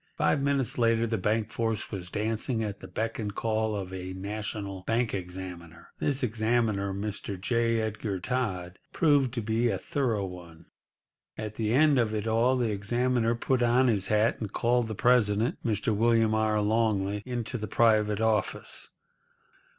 Five minutes later the bank force was dancing at the beck and call of a national bank examiner. This examiner, Mr. J. Edgar Todd, proved to be a thorough one. At the end of it all the examiner put on his hat, and called the president, Mr. William R. Longley, into the private office.